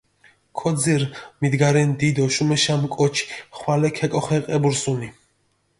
ქოძირჷ მიგდენი დიდი ოშუმეშამი კოჩი ხვალე ქეკოხე ყებურსჷნი.